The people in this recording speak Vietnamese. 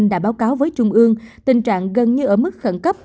đã báo cáo với trung ương tình trạng gần như ở mức khẩn cấp